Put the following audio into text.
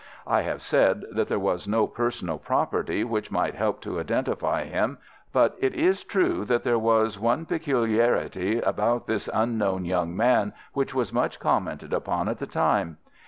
I have said that there was no personal property which might help to identify him, but it is true that there was one peculiarity about this unknown young man which was much commented upon at the time.